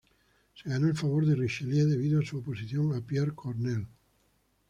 Se ganó el favor de Richelieu debido a su oposición a Pierre Corneille.